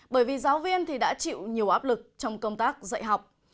bởi vì giáo viên thì đã chịu nhiều áp lực trong công tác dạy học